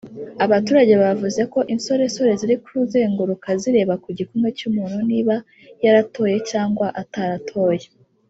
Abaturage bavuze ko insoresore ziri kuzenguruka zireba ku gikumwe cy’umuntu niba yaratoye cyangwa ataratoye